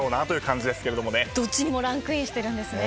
どっちにもランクインしてるんですね。